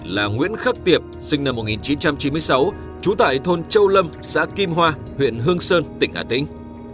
là nguyễn khắc tiệp sinh năm một nghìn chín trăm chín mươi sáu trú tại thôn châu lâm xã kim hoa huyện hương sơn tỉnh hà tĩnh